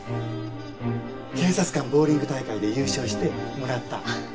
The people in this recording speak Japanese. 警察官ボウリング大会で優勝してもらった？